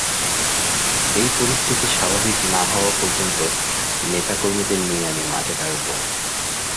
এই পরিস্থিতি স্বাভাবিক না হওয়া পর্যন্ত নেতা কর্মীদের নিয়ে আমি মাঠে থাকব।